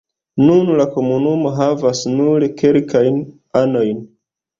Nun la komunumo havas nur kelkajn anojn.